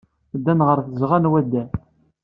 Ddan ɣer tzeɣɣa n waddal.